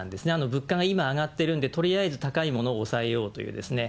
物価が今上がってるんで、とりあえず高いものを抑えようというですね。